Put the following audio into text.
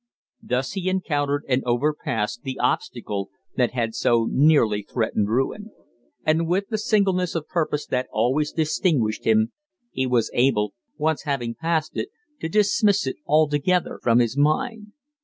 Thus he encountered and overpassed the obstacle that had so nearly threatened ruin; and, with the singleness of purpose that always distinguished him, he was able, once having passed it, to dismiss it altogether from his mind.